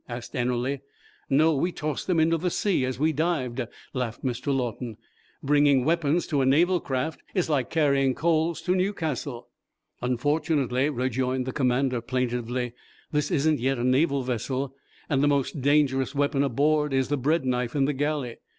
asked Ennerling. "No; we tossed them into the sea as we dived," laughed Mr. Lawton. "Bringing weapons to a Naval craft is like carrying coals to Newcastle." "Unfortunately," rejoined the commander, plaintively, "this isn't yet a Naval vessel, and the most dangerous weapon aboard is the breadknife in the galley.